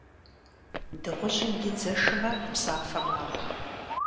Дыгъужьым и дзэ шымэ псафэ макӏуэ.